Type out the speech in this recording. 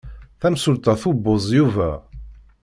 Tamsulta tubeẓ Yuba.